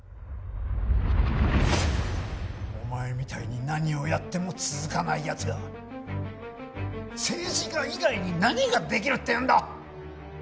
お前みたいに何をやっても続かない奴が政治家以外に何ができるっていうんだ！？